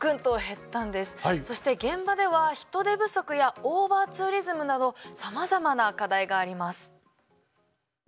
そして現場では人手不足やオーバーツーリズムなどさまざまな課題があります。